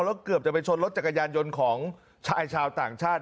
แล้วเกือบจะไปชนรถจักรยานยนต์ของชายชาวต่างชาติ